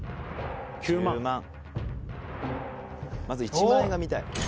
まず１万円が見たい。